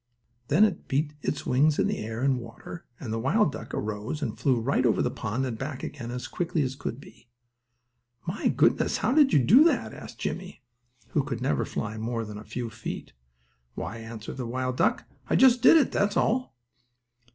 Then its wings beat the air and water, and the wild duck arose and flew right over the pond and back again, as quickly as could be. "My goodness! How do you do that?" asked Jimmie, who never could fly more than a few feet. "Why," answered the wild duck, "I just did it, that's all."